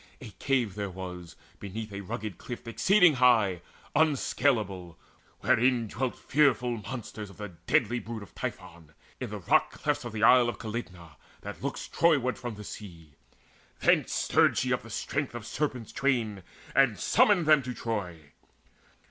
A cave there was, beneath a rugged cliff Exceeding high, unscalable, wherein Dwelt fearful monsters of the deadly brood Of Typhon, in the rock clefts of the isle Calydna that looks Troyward from the sea. Thence stirred she up the strength of serpents twain, And summoned them to Troy.